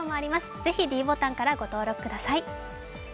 ぜひｄボタンからご登録ください。